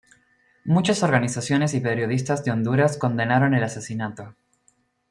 Muchas organizaciones y periodistas de Honduras condenaron el asesinato.